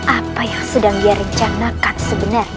apa yang sedang direncanakan sebenarnya